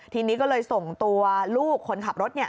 ทีนี้ก็เลยส่งตัวลูกคนขับรถ